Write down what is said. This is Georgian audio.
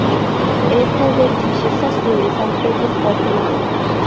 ერთადერთი შესასვლელი სამხრეთით ყოფილა.